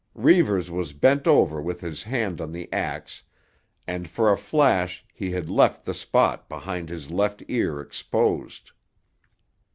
Reivers was bent over with his hand on the axe, and for a flash he had left the spot behind his left ear exposed.